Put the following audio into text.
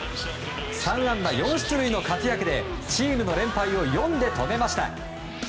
３安打４出塁の活躍でチームの連敗を４で止めました。